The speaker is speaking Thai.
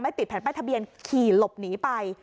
ติดแผ่นป้ายทะเบียนขี่หลบหนีไป